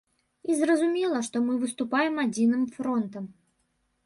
І зразумела, што мы выступаем адзіным фронтам.